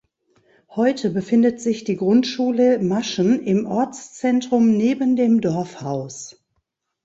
Heute befindet sich die Grundschule Maschen im Ortszentrum neben dem Dorfhaus.